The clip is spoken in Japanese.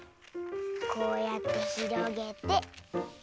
こうやってひろげて。